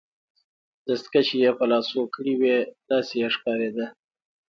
دستکشې يې په لاسو کړي وې، داسې یې ښکاریده.